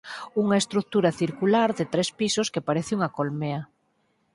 Unha estrutura circular de tres pisos que parece unha "colmea".